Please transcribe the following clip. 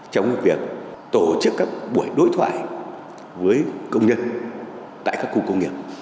trong việc tổ chức các buổi đối thoại với công nhân tại các khu công nghiệp